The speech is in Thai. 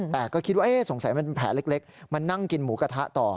แต่ก็คิดว่าสงสัยมันเป็นแผลเล็กมานั่งกินหมูกระทะต่อ